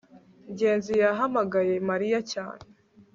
ngenzi yahamagaye mariya cyane